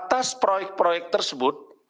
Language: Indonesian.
atas proyek proyek tersebut